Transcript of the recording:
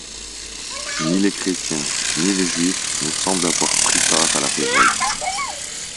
Ni les chrétiens, ni les juifs ne semblent avoir pris part à la révolte.